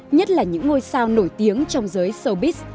nhất là những ngôi sao nổi tiếng trong giới sobis